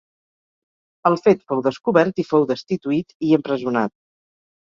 El fet fou descobert i fou destituït i empresonat.